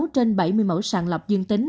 hai mươi sáu trên bảy mươi mẫu sàng lọc dương tính